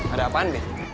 ada apaan bir